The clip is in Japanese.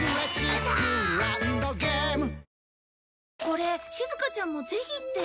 これしずかちゃんもぜひって。